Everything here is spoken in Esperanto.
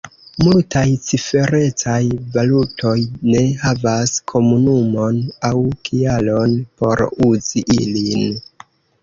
Multaj ciferecaj valutoj ne havas komunumon aŭ kialon por uzi ilin.